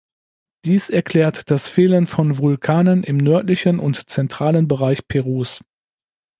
Dies erklärt das Fehlen von Vulkanen im nördlichen und zentralen Bereich Perus.